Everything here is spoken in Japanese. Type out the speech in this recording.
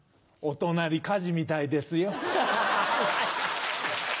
お隣火事みたいですよ。